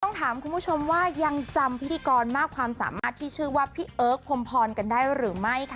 ต้องถามคุณผู้ชมว่ายังจำพิธีกรมากความสามารถที่ชื่อว่าพี่เอิร์กพรมพรกันได้หรือไม่ค่ะ